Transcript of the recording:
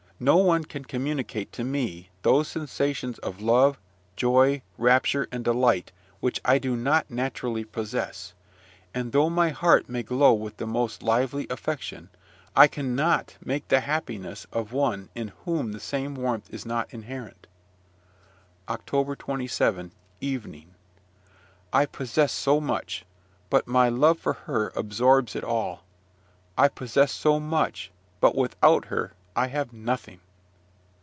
No one can communicate to me those sensations of love, joy, rapture, and delight which I do not naturally possess; and, though my heart may glow with the most lively affection, I cannot make the happiness of one in whom the same warmth is not inherent. OCTOBER 27: Evening. I possess so much, but my love for her absorbs it all. I possess so much, but without her I have nothing.